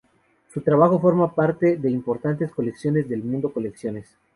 Su Trabajo forma parte de importantes colecciones del mundo colecciones.